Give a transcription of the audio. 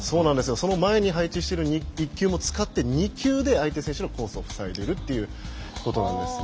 その前に配置している１球も使って２球で相手コースをふさいでるいるということです。